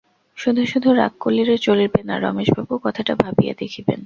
শুধু শুধু রাগ করিলে চলিবে না রমেশবাবু, কথাটা ভাবিয়া দেখিবেন।